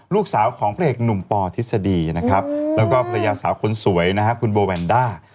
ลูกสาวของพระเอกหนุ่มปอทิศดีแล้วก็พลัยสาวขวนสวยคุณโบแวนด้า